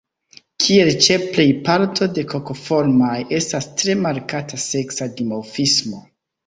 Kiel ĉe plej parto de Kokoformaj, estas tre markata seksa dimorfismo.